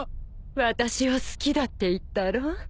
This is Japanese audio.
私を好きだって言ったろ。